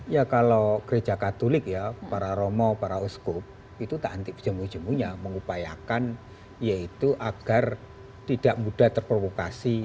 ya kalau gereja katolik ya para romo para oskop itu tak henti jemuh jemunya mengupayakan yaitu agar tidak mudah terprovokasi